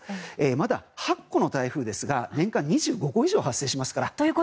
まだ８個の台風ですが年間２５個以上発生しますから。